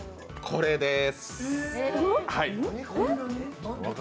これです！